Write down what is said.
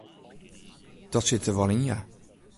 Dat sit der wol yn ja.